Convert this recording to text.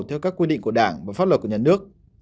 theo các quy định của đảng và pháp luật của nhà nước